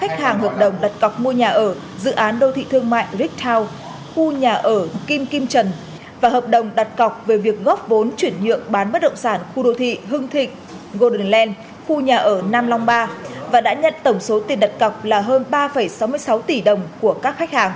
khách hàng hợp đồng đặt cọc mua nhà ở dự án đô thị thương mại rick town khu nhà ở kim kim trần và hợp đồng đặt cọc về việc góp vốn chuyển nhượng bán bất động sản khu đô thị hưng thịnh golden khu nhà ở nam long ba và đã nhận tổng số tiền đặt cọc là hơn ba sáu mươi sáu tỷ đồng của các khách hàng